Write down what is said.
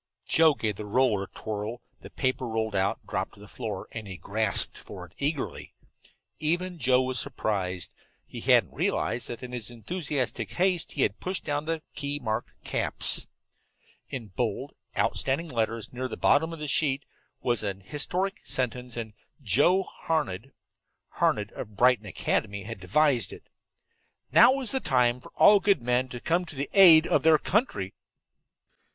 Joe gave the roller a twirl, the paper rolled out, dropped to the floor, and he grasped for it eagerly. Even Joe was surprised. He hadn't realized that in his enthusiastic haste he had pushed down the key marked "caps." In bold, outstanding letters near the bottom of the sheet was an historic sentence, and Joe Harned Harned, of Brighton Academy had devised it. "NOW IS THE TIME FOR ALL GOOD MEN TO COME TO THE AID OF THEIR COUNTRY!"